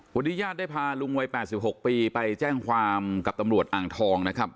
วันนี้ญาติได้พาลุงวัย๘๖ปีไปแจ้งความกับตำรวจอ่างทองนะครับ